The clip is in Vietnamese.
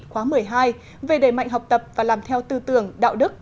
khóa một mươi hai về đẩy mạnh học tập và làm theo tư tưởng đạo đức